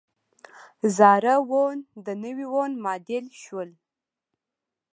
زاړه وون د نوي وون معادل شول.